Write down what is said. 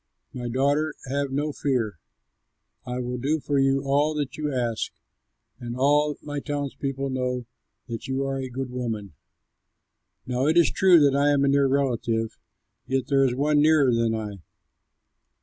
My daughter, have no fear; I will do for you all that you ask; for all my townsmen know that you are a good woman. Now it is true that I am a near relative; yet there is one nearer than I.